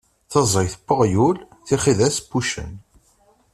Taẓayt n uɣyul, tixidas n wuccen.